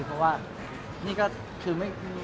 เพราะว่านี่ก็คือ